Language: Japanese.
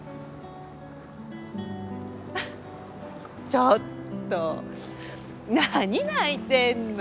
ちょっと何泣いてんの？